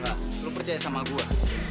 mbak lo percaya sama gua